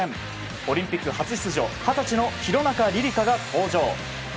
オリンピック初出場二十歳の廣中璃梨佳が登場。